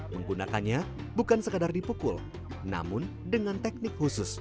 menggunakannya bukan sekadar dipukul namun dengan teknik khusus